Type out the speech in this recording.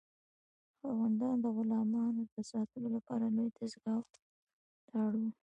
خاوندان د غلامانو د ساتلو لپاره لویې دستگاه ته اړ وو.